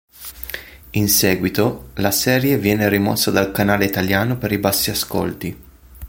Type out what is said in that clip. In seguito, la serie viene rimossa dal canale italiano per i bassi ascolti.